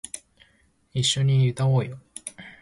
一緒に歌おうよ